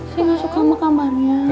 saya nggak suka sama kamarnya